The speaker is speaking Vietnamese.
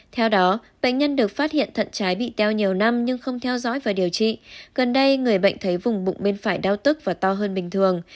theo đó bệnh nhân được phát hiện thận trái bị teo nhiều năm nhưng không theo dõi và điều trị gần đây người bệnh thấy vùng bụng bên phải đau tức và to hơn bình thường